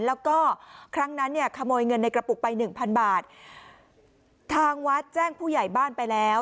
แล้วก็ครั้งนั้นเนี่ยขโมยเงินในกระปุกไปหนึ่งพันบาททางวัดแจ้งผู้ใหญ่บ้านไปแล้ว